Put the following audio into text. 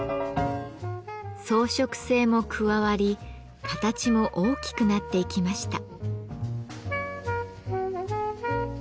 装飾性も加わり形も大きくなっていきました。